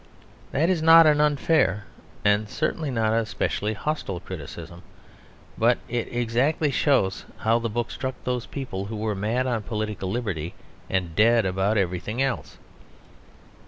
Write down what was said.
That is not an unfair and certainly not a specially hostile criticism, but it exactly shows how the book struck those people who were mad on political liberty and dead about everything else.